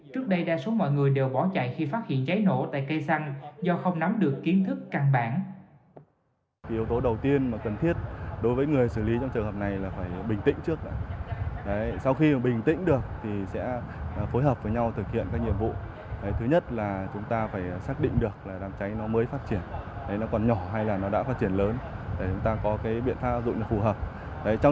trước đây đa số mọi người đều bỏ chạy khi phát hiện cháy nổ tại cây xăng do không nắm được kiến thức căn bản